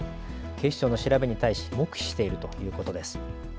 警視庁の調べに対し黙秘しているということです。